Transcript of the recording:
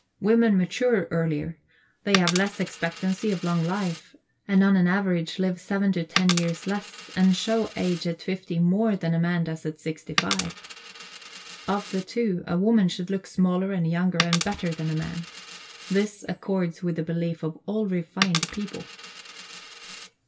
Women mature earlier; they have less expectancy of long life, and on an average live seven to ten years less, and show age at fifty more than a man does at sixty five. Of the two, a woman should look smaller and younger and better than a man. This accords with the belief of all refined people.